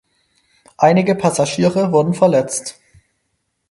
Einige Passagiere wurden verletzt.